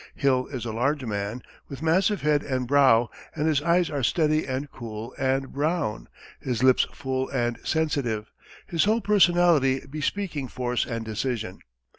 Hill is a large man, with massive head and brow, and his eyes are steady and cool and brown, his lips full and sensitive, his whole personality bespeaking force and decision.